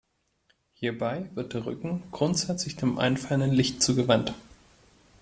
Hierbei wird der Rücken grundsätzlich dem einfallenden Licht zugewandt.